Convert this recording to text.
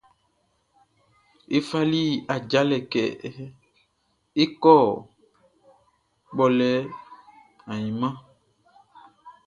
Ye fali ajalɛ kɛ é kɔ́ kpɔlɛ ainman.